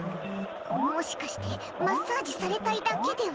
もしかして、マッサージされたいだけでは？